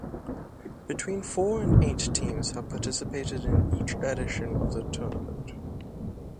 Between four and eight teams have participated in each edition of the tournament.